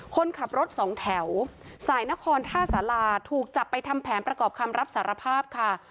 คนขับรถสองแถวสายนครท่าสาราถูกจับไปทำแผนประกอบคำรับสารภาพค่ะ